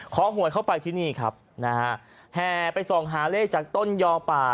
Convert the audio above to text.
หวยเข้าไปที่นี่ครับนะฮะแห่ไปส่องหาเลขจากต้นยอป่า